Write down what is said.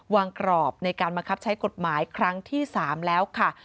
กรอบในการบังคับใช้กฎหมายครั้งที่๓แล้วค่ะ